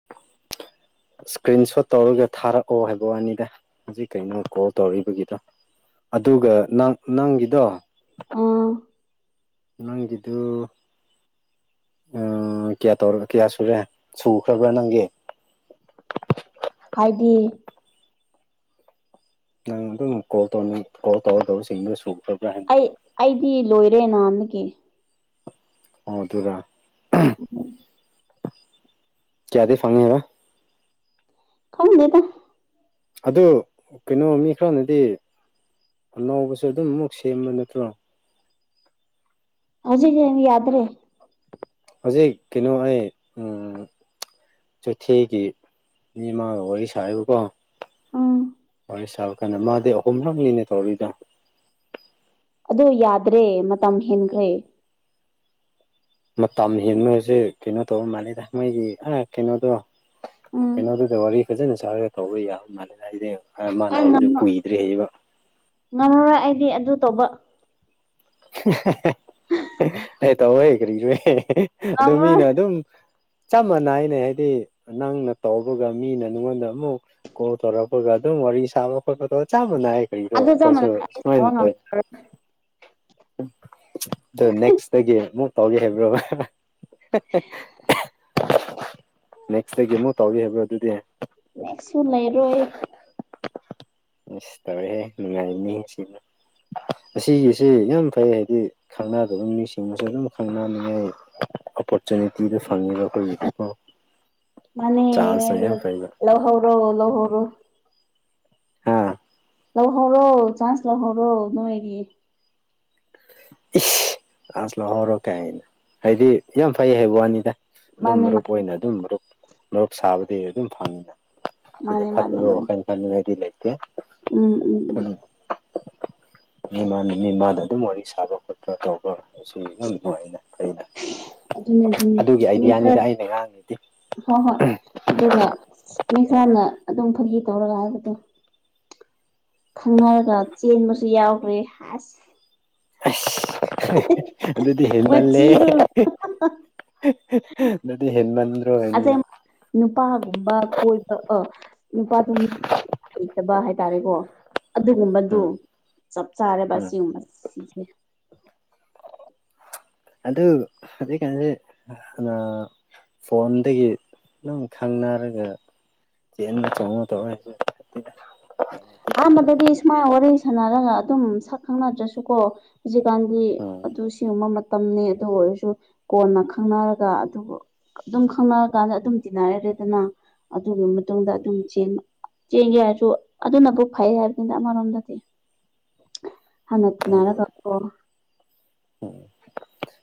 [unintelligible] screen ꯁꯣꯠ ꯇꯧꯔꯒ ꯊꯥꯔꯛꯑꯣ ꯍꯥꯏꯕ ꯋꯥꯅꯤꯗ ꯍꯧꯖꯤꯛ ꯀꯩꯅꯣ ꯀꯣꯜ ꯇꯧꯔꯏꯗꯨꯒꯤꯗꯣ ꯑꯗꯨꯒ ꯅꯪ ꯅꯪꯒꯤꯗꯣ [unintelligible] ꯅꯪꯒꯤꯗꯨ ꯎꯝ ꯀꯌꯥ ꯇꯧꯔꯕ ꯀꯌꯥ ꯁꯨꯔꯦ ꯁꯨꯈ꯭ꯔꯕ꯭ꯔꯥ ꯅꯪꯒꯤ ꯍꯥꯏꯗꯤ ꯅꯪ ꯑꯗꯨꯝ ꯀꯣꯜ ꯇꯧꯔꯤꯉꯩ ꯀꯣꯜ ꯇꯧꯔ ꯇꯧꯔꯕꯁꯤꯡꯗꯣ ꯁꯨꯈꯗ꯭ꯔꯕ꯭ꯔꯥ ꯍꯥꯏꯅ ꯑꯩ ꯑꯩꯗꯤ ꯂꯣꯏꯔꯦ ꯅꯍꯅꯃꯨꯛꯀꯤ ꯑꯣ ꯑꯗꯨꯔ [unintelligible] ꯀꯌꯥꯗꯤ ꯐꯡꯉꯦꯕ ꯈꯪꯗꯦꯗ ꯑꯗꯨ ꯀꯩꯅꯣ ꯃꯤ ꯈꯔꯅꯗꯤ ꯑꯅꯧꯕꯁꯨ ꯑꯗꯨꯝꯃꯨꯛ ꯁꯦꯝꯕ ꯅꯠꯇ꯭ꯔꯣ ꯍꯧꯖꯤꯛ ꯌꯥꯗ꯭ꯔꯦ ꯍꯧꯖꯤꯛ ꯀꯩꯅꯣ ꯑꯩ ꯆꯩꯊꯦꯒꯤ ꯃꯤꯅꯤꯃꯥꯒ ꯋꯥꯔꯤ ꯁꯥꯥꯏꯕꯀꯣ ꯑꯝ ꯁꯥ ꯀꯩꯅꯣ ꯃꯥꯗꯤ ꯑꯍꯨꯝꯂꯛꯅꯤꯅꯦ ꯇꯧꯔꯤꯗ ꯑꯣ ꯌꯥꯗ꯭ꯔꯦ ꯃꯇꯝ ꯍꯦꯟꯈ꯭ꯔꯦ ꯃꯇꯝ ꯍꯦꯟꯕꯁꯦ ꯀꯩꯅꯣ ꯇꯧꯕ ꯃꯥꯜꯂꯦꯗ ꯃꯣꯏꯒꯤ ꯀꯩꯅꯣꯗꯣ ꯎꯝ ꯄꯩꯅ ꯑꯗꯨ ꯋꯥꯔꯤꯈꯖꯦ ꯁꯔ ꯇꯧ ꯃꯥꯅꯤ ꯂꯗ ꯃꯥꯅ ꯑꯩ ꯍꯥꯏꯕꯗꯨ ꯉꯝꯃ ꯀꯨꯏꯗ꯭ꯔꯤ ꯍꯥꯏꯩꯕ ꯉꯝꯃꯔꯣꯏ ꯑꯩꯗꯤ ꯑꯗꯨ ꯇꯧꯕ ꯑꯩ ꯇꯧ ꯀꯔꯤꯁꯨ ꯑꯗꯨ ꯃꯤꯅ ꯉꯝꯃꯔꯣꯏ ꯑꯗꯨꯝ ꯆꯞ ꯃꯥꯥꯅꯥꯏꯅꯦ ꯍꯥꯏꯗꯤ ꯅꯪꯅ ꯇꯧꯕꯒ ꯃꯤꯅ ꯅꯪꯉꯣꯟꯗ ꯑꯃꯨꯛ ꯀꯣꯜ ꯇꯧꯔꯛꯄꯒ ꯑꯗꯨꯝ ꯋꯥꯔꯤ ꯁꯥꯕ ꯈꯣꯠꯄꯗ ꯃꯥꯅꯩ ꯀꯔꯤꯔꯣ ꯑꯗꯨ ꯆꯞ ꯑꯩꯈꯣꯏꯁꯨ ꯃꯥꯟꯅꯅ ꯑꯩ ꯁꯨꯃꯥꯏꯅ ꯁꯥꯕ ꯇꯧ ꯉꯝꯃꯔꯣꯏ [unintelligible] ꯑꯗꯣ ꯅꯦꯛꯁꯇꯒꯤ ꯑꯃꯨꯛ ꯇꯧꯒꯦ ꯍꯥꯏꯕ꯭ꯔꯣ [unintelligible] ꯍ ꯍ [unintelligible] ꯅꯦꯛꯁꯇꯒꯤ ꯑꯃꯨꯛ ꯇꯧꯔꯤ ꯍꯥꯏꯕ꯭ꯔꯣ ꯑꯗꯨꯗꯤ ꯅꯦꯛꯁꯁꯨ ꯂꯩꯔꯣꯏꯌꯦ [unintelligible] ꯑꯁ ꯇꯧꯔꯦꯍꯦ ꯅꯨꯡꯉꯥꯏ ꯃꯤ ꯁꯤꯅ ꯑꯁꯤꯒꯤꯁꯤ ꯌꯥꯝ ꯐꯩ ꯍꯥꯏꯗꯤ ꯈꯪꯅꯗꯕ ꯃꯤꯁꯤꯡꯕꯨꯁꯨ ꯑꯗꯨꯝ ꯈꯪꯅꯅꯤꯡꯉꯦ ꯑꯣꯄꯣꯔꯆꯨꯅꯤꯇꯤꯗꯨ ꯐꯪꯉꯤꯕ ꯑꯩꯈꯣꯏꯒꯤꯗꯤ ꯀꯣ ꯃꯅꯤ ꯐꯩꯕ ꯂꯣꯍꯧꯔꯣ ꯂꯣꯍꯧꯔꯣ ꯑ ꯂꯧꯍꯧꯔꯣ ꯆꯥꯟꯁ ꯂꯧꯍꯧꯔꯣ ꯅꯣꯏꯒꯤ ꯏꯁ ꯆꯥꯟꯁ ꯂꯧꯍꯧꯔꯣ ꯀꯥꯏꯅ ꯍꯥꯏꯗꯤ ꯌꯥꯝ ꯐꯩ ꯍꯥꯏꯋꯥꯅꯤꯗ ꯑꯗꯨꯝ ꯃꯥꯅꯦ ꯃꯔꯨꯞ ꯃꯥꯅꯦ ꯑꯣꯏꯅ ꯑꯗꯨꯝ ꯃꯔꯨꯞ ꯃꯔꯨꯞ ꯁꯥꯕꯗꯤ ꯑꯗꯨꯝ ꯐꯪꯉꯤꯗ ꯁꯤꯗ ꯃꯥꯅꯦ ꯃꯥꯅꯦ ꯐꯠꯇꯕ ꯃꯥꯅꯦ ꯋꯥꯈꯜ ꯈꯟꯅꯤꯡꯉꯥꯏꯗꯤ ꯂꯩꯇꯦ ꯎꯝ ꯎꯝ ꯎꯝ ꯃꯤꯃꯥꯟ ꯃꯤꯃꯥꯗ ꯑꯗꯨꯝ ꯋꯥꯔꯤ ꯁꯥꯕ ꯈꯣꯠꯄ ꯇꯧꯕ ꯑꯁꯤ ꯌꯥꯝ ꯅꯨꯡꯉꯥꯏꯅ ꯑꯩꯅ ꯑꯗꯨꯅꯦ ꯑꯗꯨꯅꯦ ꯑꯗꯨꯒꯤ ꯃꯤ ꯈꯔ ꯑꯥꯏꯗꯤꯌꯥꯅꯤꯗ ꯑꯩꯅ ꯉꯥꯡꯉꯤꯗꯤ ꯍꯣꯏ ꯍꯣꯏ ꯑꯗꯨꯒ ꯃꯤꯁꯥꯅ ꯑꯗꯨꯝ ꯐꯒꯤ ꯇꯧꯔꯒ ꯍꯥꯏꯕꯗꯣ ꯈꯪꯅꯔꯒ ꯆꯦꯟꯕꯁꯨ ꯌꯥꯎꯈ꯭ꯔꯦ ꯍꯥꯁ ꯑꯁ ꯑꯗꯨꯗꯤ ꯍꯦꯟꯦꯟꯃꯜꯂꯦ ꯑꯗꯨꯗꯤ ꯍꯦꯟꯦꯟꯃꯟ ꯑꯗꯨꯝ ꯅꯨꯄꯥꯒꯨꯝꯕ ꯀꯣꯏꯕ ꯑ ꯅꯨꯄꯥꯗꯣ ꯅꯨꯄꯤ ꯍꯩꯇꯕ ꯍꯥꯏꯇꯥꯔꯦꯀꯣ ꯑꯗꯨꯒꯨꯝꯕꯗꯨ ꯎꯝ ꯆꯞ ꯆꯥꯔꯦꯕ ꯎꯝ ꯑꯁꯤꯒꯨꯝꯕ ꯁꯤꯁꯦ ꯑꯗꯨ [unintelligible] ꯐꯣꯟꯗꯒꯤ ꯅꯪ ꯈꯪꯅꯔꯒ [unintelligible] ꯑꯍꯥꯟꯕꯗꯗꯤ ꯁꯨꯃꯥꯏ ꯋꯥꯔꯤ ꯁꯥꯟꯅꯔꯒ ꯑꯗꯨꯝ ꯁꯛ ꯈꯪꯅꯗ꯭ꯔꯁꯨꯀꯣ ꯍꯧꯖꯤꯛꯀꯥꯟꯗꯤ ꯎꯝ ꯑꯗꯨ ꯁꯤꯒꯨꯝꯕ ꯇꯝꯅꯦ ꯑꯗꯨꯕꯨ ꯑꯣꯏꯔꯁꯨ ꯀꯣꯟꯅ ꯈꯪꯅꯔꯒ ꯑꯗꯨꯕꯨ ꯑꯗꯨꯝ ꯈꯪꯅꯔꯀꯥꯟꯗ ꯑꯗꯨꯝ ꯇꯤꯟꯅꯔꯔꯦꯗꯅ ꯑꯗꯨꯒꯤ ꯃꯇꯨꯡꯗ ꯑꯗꯨꯝ ꯆꯦꯟ ꯆꯦꯡꯒꯦ ꯍꯥꯏꯔꯁꯨ ꯑꯗꯨꯅꯕꯨꯧ ꯐꯩ ꯍꯥꯏꯕꯗꯨꯅ ꯑꯃꯔꯣꯝꯗꯗꯤ ꯍꯥꯟꯅ ꯈꯪꯗꯦ ꯇꯤꯟꯅꯔꯒꯣ ꯎꯝ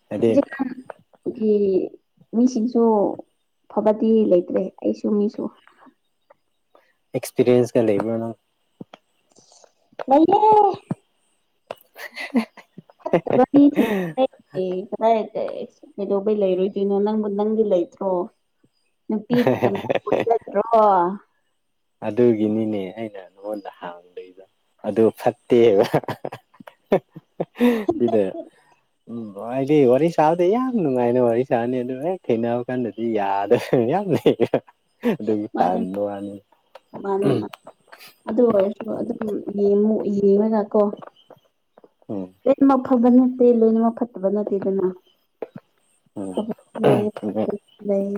ꯍꯥꯏꯗꯤ [unintelligible] ꯑꯩꯈꯒꯤ ꯃꯤꯁꯤꯡꯁꯨ ꯐꯕꯗꯤ ꯂꯩꯇ꯭ꯔꯦ ꯑꯩꯁꯨ ꯃꯤꯁꯨ ꯑꯦꯛꯁꯄꯤꯔꯤꯟꯁꯒ ꯂꯩꯕꯤꯅ [unintelligible] [unintelligible] [unintelligible] ꯑꯦ ꯀꯗꯥꯏꯗ ꯑꯁ ꯩ ꯀꯩꯗꯧꯕꯩ ꯂꯩꯔꯣꯏꯗꯣꯏꯅꯣ ꯅꯪꯕꯨ ꯅꯪꯒꯤ ꯂꯩꯇ꯭ꯔꯣ ꯅꯨꯄꯤ [unintelligible] ꯑꯗꯨꯒꯤꯅꯤꯅꯦ ꯑꯩꯅ ꯅꯉꯣꯟꯗ ꯍꯥꯡꯗꯣꯏ ꯑꯗꯨ ꯐꯠꯇꯦꯕ ꯁꯤꯗ ꯎꯝ ꯍꯥꯏꯗꯤ ꯋꯥꯔꯤ ꯁꯥꯕꯗꯤ ꯌꯥꯝ ꯅꯨꯡꯉꯥꯏꯅ ꯋꯥꯔꯤ ꯁꯥꯅꯤ ꯑꯗꯨ ꯍꯦꯛ ꯊꯦꯡꯅꯕ ꯀꯥꯟꯗꯗꯤ ꯌꯥꯗ꯭ꯔꯦ ꯌꯥꯝ ꯂꯩ ꯃꯥꯅꯦ ꯇꯥꯟꯗ ꯑꯅꯤ ꯃꯥꯅꯦ ꯃꯥꯅꯦ ꯑꯗꯨ ꯑꯣꯏꯔꯁꯨ ꯑꯗꯨꯝ ꯌꯦꯡ ꯌꯦꯡꯉꯒ ꯀꯣ ꯎꯝ ꯐꯕ ꯅꯠꯇꯦ ꯂꯣꯏꯅꯃꯛ ꯐꯠꯇꯕ ꯅꯠꯇꯦꯗꯅ ꯎꯝ ꯐꯕ ꯂꯩ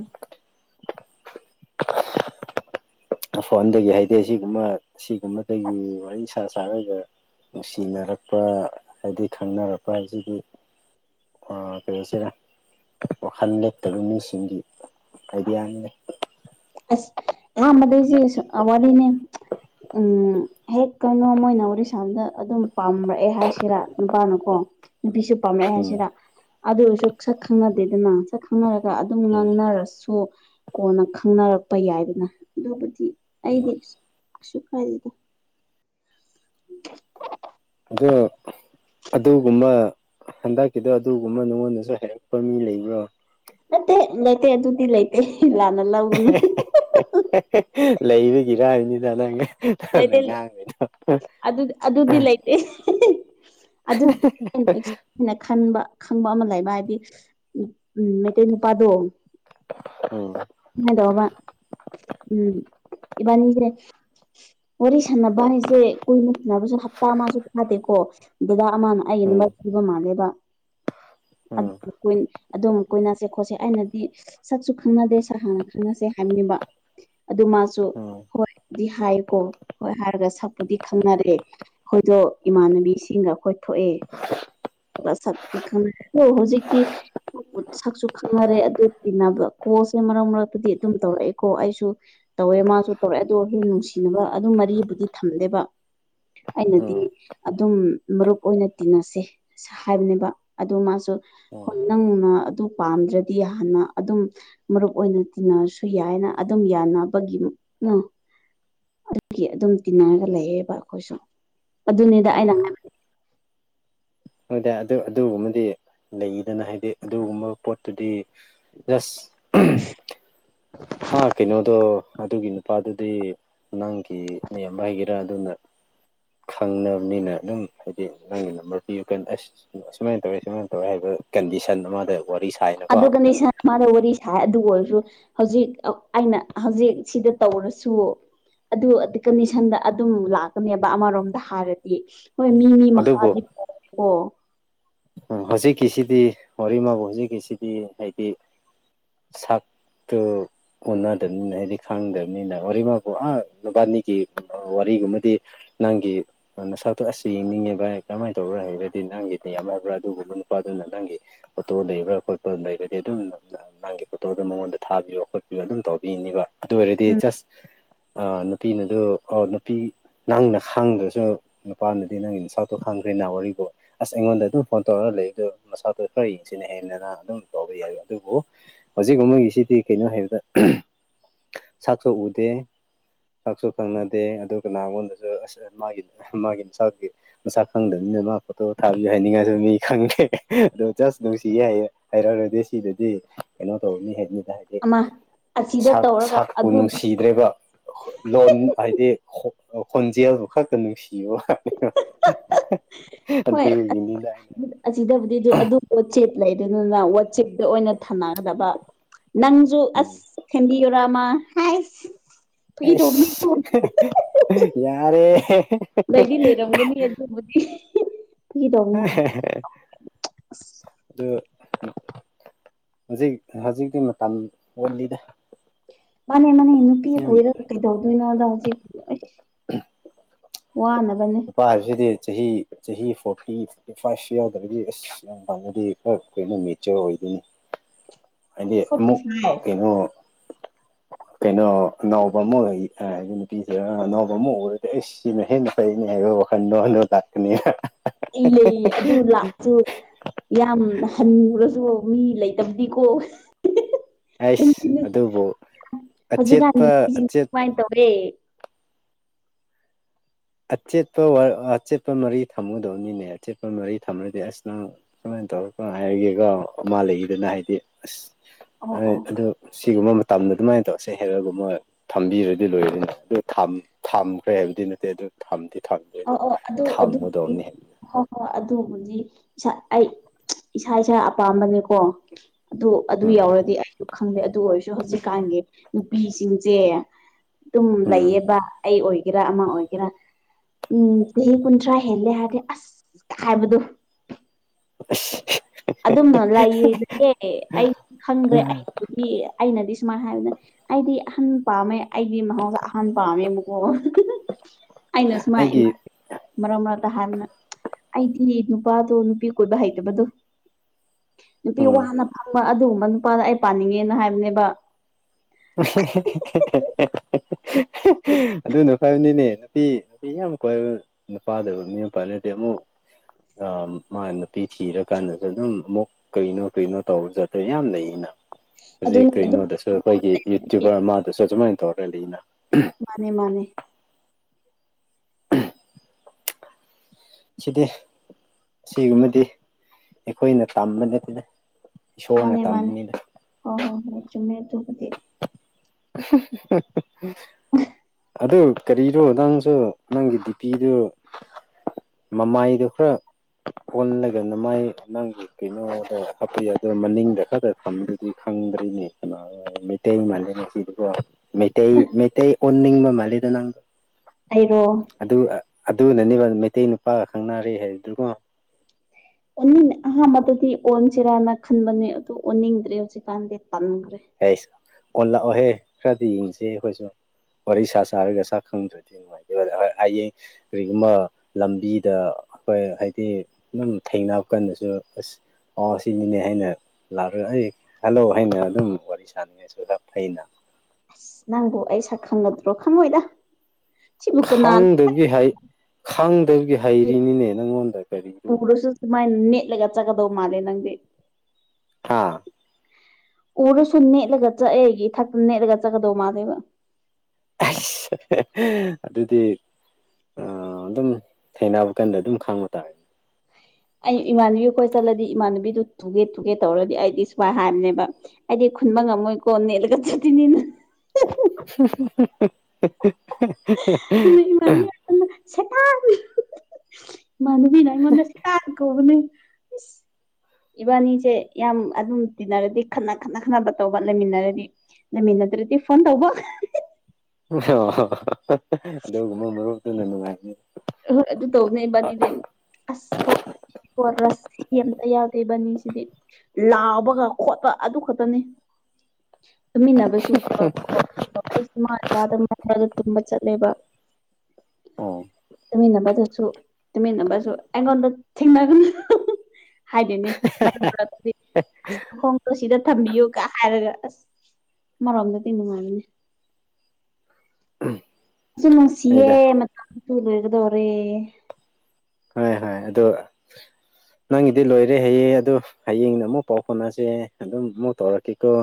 ꯐꯣꯟꯗꯒꯤ ꯍꯥꯏꯗꯤ ꯁꯤꯒꯨꯝꯕ ꯁꯤꯒꯨꯝꯕꯗꯒꯤ ꯋꯥꯔꯤ ꯁꯥ ꯁꯥꯔꯒ ꯅꯨꯡꯁꯤꯅꯔꯛꯄ ꯍꯥꯏꯗꯤ ꯈꯪꯅꯔꯛꯄ ꯍꯥꯏꯕꯁꯤꯗꯤ ꯀꯩꯅꯣꯁꯤꯔ ꯋꯥꯈꯜ ꯂꯩꯦꯞꯇꯕ ꯃꯤꯁꯤꯡꯒꯤ ꯀꯔꯤꯌꯥꯅꯤꯦ ꯑꯁ ꯑꯌꯥꯝꯥꯟꯕꯗꯩꯁꯦ ꯑꯋꯥꯗꯤꯅꯦ ꯎꯝ ꯍꯦꯛ ꯀꯩꯅꯣ ꯃꯣꯏꯅ ꯋꯥꯔꯤꯔꯤꯁꯥꯝꯗ ꯑꯗꯨꯝ ꯄꯥꯝꯔꯛꯑꯦ ꯍꯥꯏꯁꯤꯔꯥ ꯅꯨꯄꯥꯅꯀꯣ ꯅꯨꯄꯤꯁꯨ ꯄꯥꯝꯂꯛꯑꯦ ꯎꯝ ꯍꯥꯏꯁꯤꯗ ꯑꯗꯨ ꯑꯣꯏꯁꯨ ꯁꯛ ꯈꯪꯅꯗꯦꯗꯅꯛ ꯈꯪꯅꯔꯒ ꯑꯗꯨꯝ ꯎꯝ ꯉꯥꯡꯅꯔꯁꯨ ꯀꯣꯟꯅ ꯈꯪꯅꯔꯛꯄ ꯌꯥꯏꯗꯅ ꯑꯗꯨꯕꯨꯗꯤ ꯑꯩꯗꯤ ꯁꯨ꯭ꯔ ꯍꯥꯏꯗꯗ ꯎ ꯑ ꯑꯗꯨꯒꯨꯝꯕ ꯍꯟꯗꯛꯀꯤꯗꯣ ꯑꯗꯨꯒꯨꯝꯕ ꯅꯉꯣꯟꯗꯁꯨ ꯍꯩꯔꯛꯄ ꯃꯤ ꯂꯩꯕ꯭ꯔꯣ ꯂꯩꯠꯇꯦ ꯂꯩꯇꯦ ꯑꯗꯨꯗꯤ ꯂꯩꯇꯦ ꯂꯥꯟꯅ ꯂꯧꯒꯅꯨ ꯂꯩꯕꯒꯤꯔꯥꯕꯅꯤꯅ ꯅꯪꯒ ꯂ ꯂꯩꯇꯗꯤ ꯑꯗꯨꯗꯤ ꯂ ꯂꯩ ꯑꯗꯨ ꯅꯁ ꯑꯩꯅ ꯈꯟꯕ ꯈꯪꯕ ꯑꯃ ꯂꯩꯕ ꯍꯥꯏꯗꯤ ꯎꯝ ꯃꯩꯇꯩ ꯅꯨꯄꯥꯗꯣ ꯎꯝ ꯅꯨꯡꯉꯥꯏꯗꯕ ꯎꯝ ꯏꯕꯥꯅꯤꯁꯦ ꯋꯥꯔꯤ ꯁꯥꯟꯅꯕ ꯍꯥꯏꯁꯦ ꯀꯨꯏꯅ ꯁꯥꯟꯅꯕꯁꯨ ꯍꯞꯇꯥ ꯃꯥꯁꯨ ꯊꯥꯗꯦꯀꯣ ꯗꯦꯗꯥ ꯑꯃꯅ ꯑꯩꯒꯤ ꯎꯝ ꯑꯗꯨꯃꯛ ꯊꯕ ꯃꯥꯜꯂꯦꯕ ꯎꯝ ꯑꯗꯨꯝ ꯑꯩ ꯀꯣꯏꯅꯁꯦ ꯈꯣꯠꯁꯦ ꯑꯩꯅꯗꯤ ꯁꯠꯁꯨ ꯈꯪꯅꯗꯦ ꯁ ꯍꯥꯟꯅ ꯈꯪꯅꯁꯦ ꯍꯥꯏꯕꯅꯤꯕ ꯑꯗꯨ ꯃꯥꯁꯨ ꯎꯝ ꯍꯣꯏꯗꯤ ꯍꯥꯏ ꯀꯣ ꯍꯣꯏ ꯍꯥꯏꯔꯒ ꯁꯛꯄꯨꯗꯤ ꯈꯪꯅꯔꯑꯦ ꯑꯩꯈꯣꯏꯗꯣ ꯏꯃꯥꯟꯅꯕꯤꯁꯤꯡꯒ ꯑꯩꯈꯣꯏ ꯊꯣꯛꯑꯦ ꯁꯅ ꯍ ꯍꯧꯖꯤꯛꯇꯤ ꯁꯛꯁꯨ ꯈꯪꯅꯔꯦ ꯑꯗꯨꯅꯕ ꯀꯣꯜꯁꯦ ꯃꯔꯛ ꯃꯔꯛꯇꯗꯤ ꯑꯗꯨꯝ ꯇꯧꯔꯛꯑꯦꯀꯣ ꯑꯩꯁꯨ ꯇꯧꯋꯦ ꯃꯥꯁꯨ ꯇꯧꯔꯦ ꯑꯗꯣ ꯍꯌꯦ ꯅꯨꯡꯁꯤꯅꯕ ꯑꯗꯨꯝ ꯃꯔꯤꯕꯨꯗꯤ ꯊꯝꯗꯦꯕ ꯑꯩꯅꯗꯤ ꯎꯝ ꯑꯗꯨꯝ ꯃꯔꯨꯞ ꯑꯣꯏꯅ ꯇꯤꯟꯅꯁꯦ ꯍꯥꯏꯕꯅꯦꯕ ꯑꯗꯨ ꯃꯥꯁꯨ ꯍ ꯎꯝ ꯅꯪꯅ ꯑꯗꯨ ꯄꯥꯝꯗ꯭ꯔꯗꯤ ꯍꯥꯟꯅ ꯑꯗꯨꯝ ꯃꯔꯨꯞ ꯑꯣꯏꯅ ꯇꯤꯟꯅꯔꯁꯨ ꯌꯥꯏꯅ ꯑꯗꯨꯝ ꯌꯥꯅꯕꯒꯤ ꯑꯗꯨꯒꯤ ꯑꯗꯨꯝ ꯇꯤꯟꯅꯔꯒ ꯂꯩꯌꯦꯕ ꯑꯩꯈꯣꯏꯁꯨ ꯑꯗꯨꯅꯤꯗ ꯑꯩꯅ ꯑꯗꯨꯣꯏꯗꯤ ꯑꯗꯨ ꯑꯗꯨꯒꯨꯝꯕꯗꯤ ꯂꯩꯗꯅ ꯍꯥꯏꯗꯤ ꯑꯗꯨꯒꯨꯝꯕ ꯄꯣꯠꯇꯨꯗꯤ ꯖꯁ ꯑꯥ ꯀꯩꯅꯣꯗꯣ ꯑꯗꯨꯒꯤꯅ ꯅꯨꯄꯥꯗꯨꯗꯤ ꯅꯪꯒꯤ ꯅꯦꯝꯕ ꯍꯥꯏꯒꯦꯔꯥ ꯑꯗꯨꯅ ꯈꯪꯅꯕꯅꯤꯅ ꯑꯗꯨꯝ ꯍꯥꯏꯗꯤ ꯅꯪꯒꯤ ꯅꯝꯕ ꯌꯨ ꯀꯦꯟ ꯑꯁ ꯑꯨꯃꯥꯏꯅ ꯇꯧꯋꯦ ꯁꯨꯃꯥꯏꯅ ꯇꯧꯋꯦ ꯍꯥꯏꯕ ꯀꯟꯗꯤꯁꯟ ꯑꯃꯗ ꯋꯥꯔꯤ ꯁꯥꯏꯔ ꯑꯗꯨꯗꯒꯅꯦꯁ ꯃꯥꯗ ꯋꯥꯔꯤ ꯁꯥꯏ ꯑꯗꯨ ꯑꯣꯏꯔꯁꯨ ꯍꯧꯖꯤꯛ ꯑꯩꯅ ꯍꯧꯖꯤꯛ ꯁꯤꯗ ꯇꯧꯔꯁꯨ ꯑꯗꯨ ꯀꯟꯗꯤꯁꯟꯗ ꯑꯗꯨꯝ ꯂꯥꯛꯀꯅꯦꯕ ꯑꯃꯔꯣꯝꯗ ꯍꯥꯏꯔꯗꯤ ꯍꯣꯏ ꯃꯤ ꯎꯝ ꯃꯤ ꯃꯈꯥꯗꯤ ꯄꯦꯀꯣ ꯎꯝ ꯍꯧꯖꯤꯛꯀꯤꯁꯤꯗꯤ ꯋꯥꯔꯤꯃꯕꯨ ꯍꯧꯖꯤꯛꯀꯤꯁꯤꯗꯤ ꯍꯥꯏꯗꯤ ꯁꯛ ꯇ ꯑꯣꯅꯗꯕꯅꯤꯅ ꯍꯥꯏꯕꯗꯤ ꯈꯥꯡꯗꯕꯅꯤꯅ ꯋꯥꯔꯤꯃꯛꯄ ꯑ ꯅꯨꯕꯥꯅꯤꯒꯤ ꯋꯥꯔꯤꯒꯨꯝꯕꯗꯤ ꯅꯪꯒꯤ ꯅꯁꯥꯗꯣ ꯑ ꯑꯁꯤ ꯌꯦꯡꯅꯤꯡꯉꯦ ꯚꯥꯏ ꯀꯃꯥꯏꯅ ꯇꯧꯔ ꯍꯥꯏꯔꯗꯤ ꯅꯪꯒꯤ ꯌꯥꯝꯃꯕ꯭ꯔꯥ ꯑꯗꯨꯒꯨꯝꯕ ꯅꯨꯄꯥꯗꯨꯅ ꯅꯪꯒꯤ ꯑꯣꯇꯣ ꯂꯩꯕ꯭ꯔꯥ ꯈꯣꯠꯄ ꯂꯩꯔꯗꯤ ꯑꯗꯨꯝ ꯅꯪꯒꯤ ꯐꯣꯇꯣꯗꯣ ꯃꯉꯣꯟꯗ ꯊꯥꯕꯤꯌꯣ ꯈꯣꯠꯄꯤꯌꯣ ꯑꯗꯨꯝ ꯇꯧꯕꯤꯅꯤꯕ ꯑꯗꯨ ꯑꯣꯏꯔꯗꯤ ꯎꯝ ꯖꯁ ꯅꯨꯄꯤꯅ ꯑꯗꯨ ꯑꯣ ꯅꯨꯄꯤ ꯅꯪꯅ ꯈꯥꯡꯗ꯭ꯔꯁꯨ ꯅꯨꯄꯥꯅꯗꯤ ꯅꯪꯒꯤ ꯁꯥꯛꯇꯣ ꯈꯥꯡꯈ꯭ꯔꯦꯅ ꯋꯥꯔꯤꯔꯤꯕꯣ ꯑꯁ ꯑꯩꯉꯣꯟꯗ ꯑꯗꯨꯝ ꯐꯣꯟ ꯇꯧꯔꯒ ꯂꯩ ꯑꯗꯨꯣ ꯃꯁꯥꯗꯣ ꯈꯔ ꯌꯦꯡꯁꯤꯅ ꯍꯦꯟꯅꯅ ꯑꯗꯨꯝ ꯇꯧꯕ ꯌꯥꯏ ꯑꯗꯨꯕꯨ ꯍꯧꯖꯤꯛ ꯑꯃꯒꯤꯒꯤꯁꯤꯗꯤ ꯀꯩꯅꯣ ꯍꯥꯏꯕꯗ ꯁꯛꯁꯨꯣꯛ ꯎꯗꯦ ꯀꯛꯁꯨ ꯈꯪꯅꯗꯦ ꯑꯗꯨꯒ ꯅꯉꯣꯟꯗꯁꯨ ꯑ ꯃꯥꯒꯤ ꯃꯥꯒꯤ ꯃꯁꯥꯒꯤ ꯃꯁꯥ ꯈꯪꯗꯕꯅꯤꯅ ꯃꯥ ꯐꯣꯇꯣ ꯊꯥꯕꯤꯌꯨ ꯍꯥꯏꯅꯤꯡꯉꯥꯏꯁꯨ ꯃꯤ ꯈꯪꯉ ꯑ ꯖꯁ ꯅꯨꯡꯁꯤꯒꯦ ꯍꯥꯏꯩꯔꯛꯔꯗꯤ ꯁꯤꯗꯨꯗꯤ ꯀꯩꯅꯣ ꯇꯧꯕ ꯃꯤ ꯍꯥꯏꯩꯅꯤꯗ ꯍꯥꯏꯗꯤ ꯑꯃ ꯑꯁꯤꯗ ꯁꯥꯛ ꯇꯧꯔꯒ ꯁꯥꯛꯄꯨ ꯑꯗꯨ ꯅꯨꯡꯁꯤꯗ꯭ꯔꯦꯕ ꯂꯣꯟ ꯍꯥꯏꯗꯤ ꯈꯣꯟꯖꯦꯜꯕꯨ ꯈꯛꯇ ꯅꯨꯡꯁꯤꯕꯅꯤ [unintelligible] ꯍꯣꯏ ꯑꯁꯤꯗꯕꯨꯗꯤ ꯑꯗꯨ ꯑꯗꯨ ꯋꯥꯆꯦꯞ ꯂꯩ ꯑꯗꯨꯅꯤꯅ ꯋꯥꯆꯦꯞꯇ ꯑꯣꯏꯅ ꯊꯝꯅꯒꯗꯕ ꯅꯪꯖꯨ ꯎꯝ ꯑꯁ ꯍꯗꯤ ꯌꯔꯃ ꯑꯁ ꯌꯥꯔꯦ ꯂꯩꯗꯤ ꯂꯩꯔꯝꯒꯅꯤ ꯑꯗꯨꯕꯨꯗꯤ ꯐꯒꯤ ꯇꯧꯕꯅꯤ ꯍ ꯑꯗꯨꯗ ꯍꯧꯖꯤꯛ ꯍꯧꯖꯤꯛꯇꯤ ꯃꯇꯝ ꯎꯂꯤꯗ ꯃꯥꯅꯦ ꯃꯥꯅꯦ ꯅꯨꯄꯤ ꯀꯣꯏꯔꯒ ꯀꯩꯗꯧꯗꯣꯏꯅꯣꯗ ꯍꯧꯖꯤꯛ ꯎ ꯋꯥꯅꯕꯅꯦ ꯅꯨꯄꯥ ꯍꯥꯏꯕꯁꯤꯗꯤ ꯆꯍꯤ ꯆꯍꯤ ꯐꯣꯔꯇꯤ ꯊꯣꯔꯇꯤ ꯐꯥꯏꯚꯁꯨ ꯌꯥꯎꯗ꯭ꯔꯗꯤ ꯑꯁ ꯌꯥꯝ ꯐꯪꯉꯗꯤ ꯈꯔ ꯑꯩꯈꯅ ꯃꯦꯆꯔ ꯑꯣꯏꯗꯣꯏꯅꯤ ꯍꯥꯏꯗꯤ ꯐꯣꯔꯇꯤ ꯑꯃꯨꯛ ꯐꯥꯏꯚ ꯀꯩꯅꯣ ꯀꯩꯅꯣ ꯑꯅꯥꯎꯕ ꯑꯃ ꯑꯣꯏ ꯍꯥꯏꯗꯤ ꯅꯨꯄꯤꯁꯤꯗ ꯑꯅꯥꯎꯕ ꯑꯃ ꯑꯣꯏꯔꯗꯤ ꯑꯩ ꯁꯤꯅ ꯍꯦꯟꯅ ꯅꯤ ꯍꯥꯏ ꯈꯟꯗ ꯍꯅꯣ ꯇꯥꯛ ꯈꯅꯤ ꯏ ꯂꯩ ꯑꯗꯨ ꯂ ꯑꯗꯨ ꯌꯥꯝ ꯍꯟꯉꯨꯔꯁꯨ ꯃꯤ ꯂꯩꯇꯕꯗꯤꯀꯣ ꯑꯩꯁ ꯑꯗꯨꯕꯨ ꯑꯆꯦꯠꯄ ꯍꯧꯖꯤꯛꯀꯥꯟꯁꯤꯡ ꯑꯆꯦꯠ ꯀꯃꯥꯏꯅ ꯇꯧꯔꯤ ꯑꯆꯦꯠꯄ ꯑꯆꯦꯠꯄ ꯃꯔꯤ ꯊꯝꯃꯨꯗꯧꯅꯤꯅꯦ ꯑꯆꯦꯠꯄ ꯃꯔꯤ ꯊꯝꯃꯗꯤ ꯑꯁ ꯅꯪ ꯀꯃꯥꯏꯅ ꯇꯧꯔꯒ ꯀꯃꯥꯏ ꯍꯥꯏꯔꯒꯦꯒ ꯃꯥ ꯂꯩꯈꯤꯗꯅ ꯍꯥꯏꯗꯤ ꯑꯣ ꯑꯁ ꯑꯣ ꯑꯗꯨ ꯁꯤꯒꯨꯝꯕ ꯃꯇꯝꯗꯣ ꯑꯗꯨꯃꯥꯏꯅ ꯇꯧꯔꯁꯦ ꯍꯦꯛꯔꯒ ꯃꯣꯏ ꯊꯝꯕꯤꯔꯗꯤ ꯂꯣꯏꯔꯅꯤꯅꯦ ꯑꯗꯨ ꯊꯝꯈ꯭ꯔꯦ ꯍꯥꯏꯕꯗꯤ ꯅꯠꯇꯦ ꯑꯗꯨ ꯊꯝꯗꯦ ꯑ ꯑꯣ ꯑꯗꯨ ꯑꯗꯨ ꯊꯝꯒꯗꯧꯅꯤ ꯍꯣꯏ ꯑꯗꯨꯕꯨꯗꯤ ꯏꯁꯥ ꯑꯩ ꯏꯁꯥ ꯏꯁꯥ ꯑꯄꯥꯝꯕꯅꯦꯀꯣ ꯑꯗꯨ ꯑꯗꯨ ꯎꯝ ꯌꯥꯎꯔꯗꯤ ꯑꯩꯁꯨ ꯈꯪꯗꯦ ꯑꯗꯨ ꯑꯣꯏꯔꯁꯨ ꯍꯧꯖꯤꯛꯀꯥꯟꯒꯤ ꯅꯨꯄꯤꯁꯤꯡꯁꯦ ꯑꯗꯨꯝ ꯎꯝ ꯂꯩꯌꯦꯕ ꯑꯩ ꯑꯣꯏꯒꯦꯔꯥ ꯑꯃ ꯑꯣꯏꯒꯦꯔꯥ ꯎꯝ ꯆꯍꯤ ꯀꯨꯟꯊ꯭ꯔꯥ ꯍꯦꯜꯂꯦ ꯍꯥꯏꯔꯗꯤ ꯑꯁ ꯍꯥꯏꯕꯗꯣ ꯑꯁ ꯑꯗꯨꯝꯅ ꯂꯩꯌꯦ ꯂꯩꯌꯦ ꯑꯩꯁꯨ ꯈꯪꯗ꯭ꯔꯦ ꯑꯩꯕꯨꯗꯤ ꯑꯩꯅꯗꯤ ꯁꯨꯃꯥꯏ ꯍꯥꯏꯕꯗ ꯑꯩꯗꯤ ꯑꯍꯟ ꯄꯥꯝꯃꯦ ꯑꯩꯗꯤ ꯃꯍꯥꯎꯁ ꯑꯍꯟ ꯄꯥꯝꯃꯦ ꯑꯃꯨꯀꯣ ꯑꯩꯅꯁ ꯃꯥꯥꯏ ꯑꯩꯒꯤ ꯃꯥ ꯃꯔꯛ ꯃꯔꯗ ꯍꯥꯟꯅ ꯑꯩꯗꯤ ꯅꯨꯄꯥꯗꯣ ꯅꯨꯄꯤ ꯀꯣꯏꯕ ꯍꯩꯇꯕꯗꯨ ꯅꯨꯄꯤ ꯎꯝ ꯋꯥꯅ ꯐꯪꯕ ꯑꯗꯨꯒꯨꯝꯕ ꯅꯨꯄꯥꯗ ꯑꯩ ꯄꯥꯅꯤꯡꯉꯦꯅ ꯍꯥꯏꯕꯅꯦꯕ ꯑꯗꯨꯅ ꯐꯕꯅꯤꯅꯦ ꯌꯥꯝ ꯀꯣꯏꯏꯕ ꯅꯨꯄꯥꯥꯗꯕ ꯃꯤ ꯑꯃꯄꯥꯂꯠꯇꯗꯤ ꯑꯃꯨꯛ ꯃꯥ ꯅꯨꯄꯤ ꯊꯤꯔꯀꯥꯟꯗꯁꯨ ꯑꯗꯨꯝ ꯑꯃꯨꯛ ꯀꯩꯅꯣ ꯀꯩꯅꯣ ꯇꯧꯔꯖꯥꯠ꯭ꯔꯦ ꯌꯥꯝ ꯂꯩꯅ ꯍꯧꯖꯤꯛ ꯑꯗꯨꯅꯤ ꯑꯗꯨꯝ ꯀꯩꯅꯣꯗꯁꯨ ꯑꯩꯈꯣꯏꯒꯤ ꯌꯨꯇ꯭ꯌꯨꯕꯔ ꯑꯃꯗꯁꯨ ꯑꯗꯨꯁꯨꯃꯥꯏꯅ ꯇꯧꯔꯒꯦ ꯂꯩꯅ ꯃꯥꯅꯦ ꯃꯥꯅꯦ ꯁꯤꯗꯤ ꯑꯁꯤꯒꯨꯝꯕꯗꯤ ꯑꯩꯈꯣꯏꯅ ꯇꯝꯕ ꯅꯠꯇꯅ ꯃꯥꯅꯦ ꯃꯥꯅꯦ ꯍꯣꯏ ꯍꯣꯏ ꯍꯣꯏ ꯆꯨꯝꯃꯦ ꯑꯗꯨꯕꯨꯗꯤ [unintelligible] [inaudible] ꯑꯗꯨ ꯀꯔꯤꯔꯣ ꯅꯪꯁꯨ ꯅꯪꯒꯤ ꯗꯤꯄꯤꯤꯗꯨ ꯃꯃꯥꯏꯗꯣ ꯈꯔ ꯑꯣꯜꯂꯒꯗꯅ ꯃꯥꯏ ꯅꯪꯒꯤ ꯀꯩꯅꯣꯗ ꯍꯥꯞꯄꯤ ꯑꯗꯨꯅ ꯃꯅꯤꯡꯗ ꯈꯔꯛꯇ ꯊꯝꯕꯗꯨꯗꯤ ꯈꯪꯗ꯭ꯔꯤꯅꯤ ꯃꯩꯇꯩ ꯃꯜꯂꯤꯅꯦ ꯁꯤꯗꯤꯀꯣ ꯃꯩꯇꯩ ꯃꯩꯇꯩ ꯑꯣꯟꯅꯤꯡꯕ ꯃꯥꯜꯂꯤꯗ ꯅꯪ ꯑꯩꯩꯔꯣ ꯑꯗꯨ ꯑꯗꯨꯅꯅꯦꯕ ꯃꯩꯇꯩ ꯅꯨꯄꯥꯒ ꯈꯪꯅꯔꯦ ꯍꯥꯏꯗꯨꯒꯣ ꯑꯣꯅꯤꯡ ꯑꯍꯥꯟꯕꯗꯗꯤ ꯑꯣꯟꯁꯤꯔꯥꯅ ꯈꯟꯕꯅꯦ ꯑꯗꯨ ꯑꯣꯟꯅꯤꯡꯗ꯭ꯔꯦ ꯍꯧꯖꯤꯛꯀꯥꯟꯗꯤ ꯄꯟꯈ꯭ꯔꯦ ꯍꯦ ꯑꯣꯟ ꯂꯥꯛꯑꯣꯍꯦ ꯈꯔꯗꯤ ꯌꯦꯡꯁꯤ ꯑꯩꯈꯣꯏꯁꯨ ꯋꯥꯔꯤ ꯁꯥ ꯆꯔꯒ ꯆꯥꯛ ꯈꯪꯗ꯭ꯔꯗꯤ ꯑꯩꯌꯦ ꯀꯔꯤꯒꯨꯝꯕ ꯂꯝꯕꯤꯗ ꯑꯩꯈꯣꯏ ꯍꯥꯏꯗꯤ ꯑꯗꯨꯝ ꯊꯦꯡꯅꯕ ꯀꯟꯗꯁꯨ ꯑꯁ ꯑꯣ ꯁꯤꯅꯤꯅꯦ ꯍꯥꯏꯅ ꯂꯥꯛꯑꯒ ꯑꯩ ꯍꯜꯂꯣ ꯍꯥꯏꯅ ꯑꯗꯨꯝ ꯋꯥꯔꯤ ꯁꯥꯅꯤꯡꯉꯥꯏꯁꯨꯗ ꯐꯩꯅ ꯑꯁ ꯅꯪꯕꯨ ꯑꯩ ꯁꯛ ꯈꯪꯉꯗ꯭ꯔꯣ ꯈꯪꯉꯣꯏꯗ ꯁꯤꯕꯨ ꯀꯅꯥꯅ ꯈꯪꯗꯕꯒꯤ ꯈꯪꯗꯕꯒꯤ ꯍꯩꯔꯤꯅꯤꯅꯦ ꯅꯪꯉꯣꯟꯗ ꯀꯔꯤꯗꯨ ꯎꯔꯁꯨ ꯁꯨꯃꯥꯏꯅ ꯅꯦꯠꯂꯒ ꯆꯠꯀꯗꯧ ꯃꯥꯜꯂꯦ ꯅꯪꯗꯤ ꯍꯥꯥ ꯎꯔꯁꯨ ꯅꯦꯠꯂꯒ ꯆꯠꯑꯦ ꯑꯩꯒꯤ ꯏꯊꯛꯇ ꯅꯦꯠꯂꯒ ꯆꯠꯀꯗꯧ ꯃꯥꯜꯂꯦꯕ ꯑꯁ ꯑꯗꯨꯗꯤ ꯑꯗꯨꯝ ꯊꯩꯅꯅꯕ ꯀꯟꯗ ꯑꯗꯨꯝ ꯈꯥꯡꯕ ꯇꯥꯔꯦꯅꯦ ꯑꯩ ꯏꯃꯥꯟꯅꯕꯤ ꯑꯩꯈꯣꯏ ꯆꯠꯂꯗꯤ ꯏꯃꯥꯟꯅꯕꯤꯗꯨ ꯊꯨꯒꯦ ꯊꯨꯒꯦ ꯇꯧꯔꯗꯤ ꯑꯩꯗꯤ ꯁꯨꯃꯥꯏꯅ ꯍꯥꯏꯕꯅꯦꯕ ꯑꯩꯗꯤ ꯈꯨꯟꯕ ꯉꯝꯃꯣꯏꯀꯣ ꯅꯦꯦꯜꯂꯒ ꯆꯠꯇꯅꯤꯅ [inaudible] [inaudible] [unintelligible] ꯃꯥꯟꯕꯤꯅ ꯑꯩꯉꯣꯟꯗ ꯁꯛꯀꯥꯛ ꯀꯧꯕꯅꯦ ꯏꯕꯥꯅꯤꯁꯦ ꯌꯥꯝ ꯑꯗꯨꯝ ꯇꯤꯟꯅꯔꯗꯤ ꯈꯠꯅ ꯈꯠꯅ ꯈꯠꯅꯕ ꯇꯧꯕ ꯂꯩꯃꯤꯟꯅꯔꯗꯤ ꯅꯪꯒꯤ ꯅꯠꯇ꯭ꯔꯗꯤ ꯐꯣꯟ ꯇꯧꯕ ꯑꯣ ꯑꯗꯨꯒꯨꯝꯕ ꯃꯔꯨꯞꯇꯨꯅ ꯅꯨꯡꯉꯥꯏꯅꯤ ꯑꯣꯏ ꯑꯗꯨ ꯇꯧꯕꯅꯦꯕ ꯑꯗꯩꯗꯤ ꯑꯃꯨꯛ ꯑꯁ ꯋꯥ ꯑꯣ ꯔꯁꯤ ꯑꯝꯇ ꯌꯥꯎꯗꯦꯕꯅꯤꯁꯤꯗꯤ ꯂꯥꯎꯕꯒ ꯈꯣꯠꯄ ꯑꯗꯨ ꯈꯛꯇꯅꯤ ꯇꯨꯝꯃꯤꯟꯅꯕꯁꯨ ꯑꯩꯁꯃ ꯀꯥꯗ ꯃꯗ ꯇꯨꯝꯕ ꯆꯠꯂꯦꯕ ꯑꯣ ꯇꯨꯃꯤꯟꯅꯕꯗꯁꯨ ꯇꯨꯃꯤꯟꯅꯕꯁꯨ ꯑꯩꯉꯣꯟꯗ ꯊꯦꯡꯅꯒꯅꯤ ꯍꯥꯏꯗꯦꯅꯦ ꯃꯔꯛ ꯃꯔꯛꯇꯗꯤ ꯑꯁ ꯃꯈꯈꯣꯡꯗꯣ ꯁꯤꯗ ꯊꯝꯕꯤꯌꯨꯒ ꯍꯥꯏꯔꯒ ꯑꯁ ꯃꯔꯣꯝꯗꯗꯤ ꯅꯨꯡꯉꯥꯏꯒꯅꯤ ꯁꯨꯝ ꯍꯣꯏꯗ ꯅꯨꯡꯁꯤꯌꯦꯦ ꯃꯇꯁꯨꯨ ꯂꯣꯏꯒꯗꯧꯔꯦ ꯍ ꯑꯗꯣ ꯅꯪꯒꯤꯗꯤ ꯂꯣꯏꯔꯦ ꯍꯌꯦꯡ ꯑꯗꯨ ꯍꯌꯦꯡꯗ ꯑꯃꯨꯛ ꯄꯥꯎ ꯐꯥꯎꯅꯁꯦ ꯑꯗꯨꯝ ꯑꯃꯨꯛ ꯇꯧꯔꯛꯀꯦꯀꯣ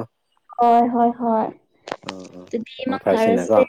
ꯍ ꯍꯣꯏ ꯍꯣꯏ ꯑꯥ ꯑꯗꯨꯗꯤ ꯑꯥ ꯐꯔꯁꯤꯅꯀꯣ ꯏꯃꯥꯡꯚꯔꯁꯦ